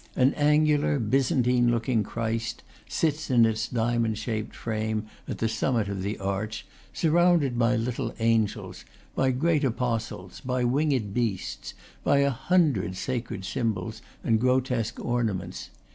An angular, Byzan tine looking Christ sits in a diamond shaped frame at the summit of the arch, surrounded by little angels, by great apostles, by winged beasts, by a hundred sacred symbols and grotesque ornaments.